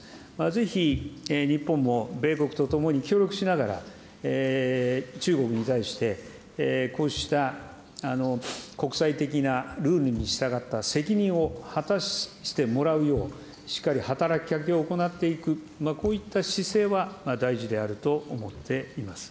ぜひ日本も米国とともに協力しながら、中国に対して、こうした国際的なルールに従った責任を果たしてもらうよう、しっかり働きかけを行っていく、こういった姿勢は大事であると思っています。